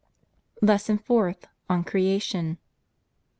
LESSON FOURTH ON CREATION 32.